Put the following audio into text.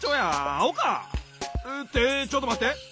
アホか！ってちょっとまって！